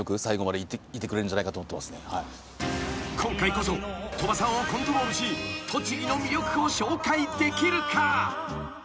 ［今回こそ鳥羽さんをコントロールし栃木の魅力を紹介できるか？］